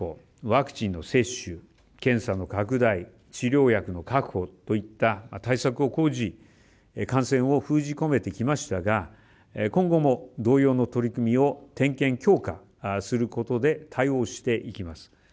ワクチンの接種、検査の拡大治療薬の確保といった対策を講じ感染を封じ込めてきましたが今後も同様の取り組みを点検・強化することで対応していきます。